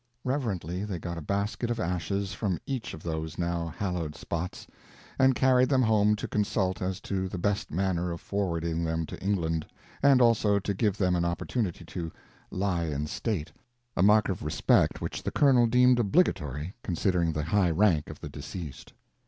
Reverently they got a basket of ashes from each of those now hallowed spots, and carried them home to consult as to the best manner of forwarding them to England, and also to give them an opportunity to "lie in state,"—a mark of respect which the colonel deemed obligatory, considering the high rank of the deceased.